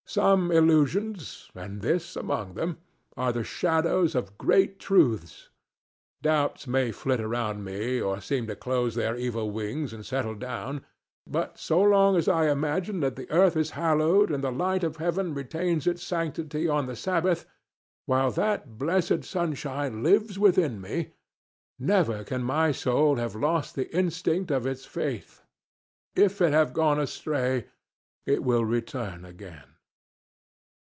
Some illusions—and this among them—are the shadows of great truths. Doubts may flit around me or seem to close their evil wings and settle down, but so long as I imagine that the earth is hallowed and the light of heaven retains its sanctity on the Sabbath—while that blessed sunshine lives within me—never can my soul have lost the instinct of its faith. If it have gone astray, it will return again.